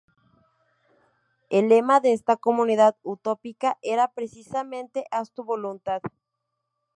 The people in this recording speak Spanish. El lema de esta comunidad utópica era precisamente: "Haz tu voluntad".